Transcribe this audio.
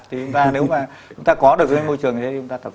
thì chúng ta nếu mà có được môi trường thì chúng ta tập